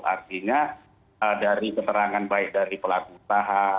artinya dari keterangan baik dari pelaku usaha